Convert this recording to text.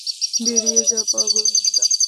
বেরিয়ে যা, পাগল মহিলা।